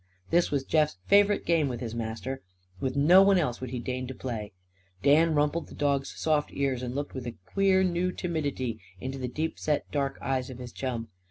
This was Jeff's favourite game with his master. With no one else would he deign to play. Dan rumpled the dog's soft ears, and looked with a queer new timidity into the deep set dark eyes of his chum.